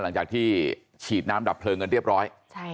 หลังจากที่ฉีดน้ำดับเพลิงกันเรียบร้อย